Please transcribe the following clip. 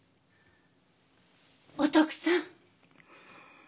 お徳さん！